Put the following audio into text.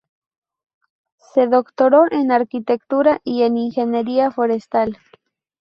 Se doctoró en arquitectura y en ingeniería forestal.